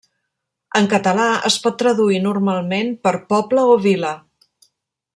En català es pot traduir normalment per poble o vila.